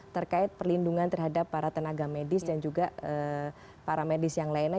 terkait perlindungan terhadap para tenaga medis dan juga para medis yang lainnya